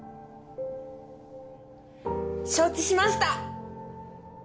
承知しました！